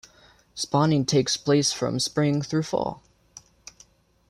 Spawning takes place from spring through fall.